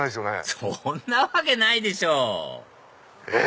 そんなわけないでしょ！え？